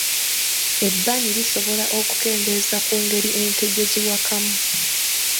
Ebbanyi lisobola okukendeeza ku ngeri ente gye ziwakamu.